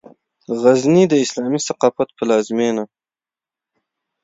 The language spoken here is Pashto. غزني د اسلامي ثقافت پلازمېنه